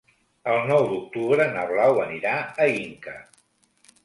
El nou d'octubre na Blau anirà a Inca.